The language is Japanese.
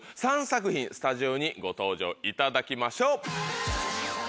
３作品スタジオにご登場いただきましょう。